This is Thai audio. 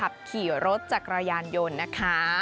ถ้าเกิดขับขี่รถจักรยานยนต์นะคะ